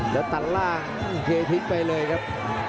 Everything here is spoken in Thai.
แล้วตัดล่างเททิ้งไปเลยครับ